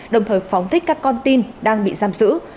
đồng thời phóng thích các con tin đang bị giam giữ